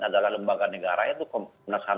adalah lembaga negara yaitu komnas ham